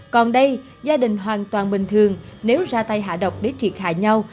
còn đây gia đình hoàn toàn bình thường nếu ra tay hạ độc để triệt hạ nhau